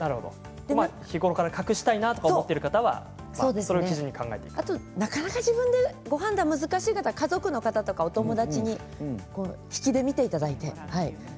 日頃から隠したいなと思ってる方はそれを基準になかなかご自分でご判断が難しい方は、家族の方やお友達に引きで見ていただいて。